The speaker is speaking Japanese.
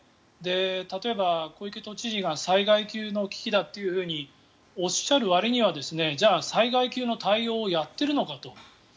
例えば、小池都知事が災害級の危機だというふうにおっしゃるわりにはじゃあ、災害級の対応をやっているのかと。